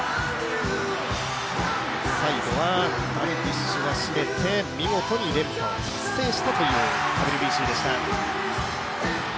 最後はダルビッシュがしめて、見事に２連覇を達成したといＷＢＣでした。